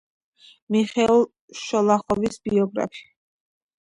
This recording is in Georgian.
მიხეილ შოლოხოვის ბიოგრაფი.